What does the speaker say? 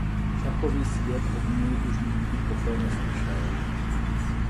Šachový svět od něj už nikdy poté neslyšel.